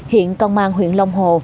hiện công an huyện long hồ